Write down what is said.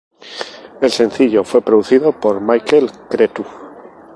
El sencillo fue producido por Michael Cretu.